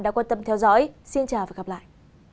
đã quan tâm theo dõi xin chào và hẹn gặp lại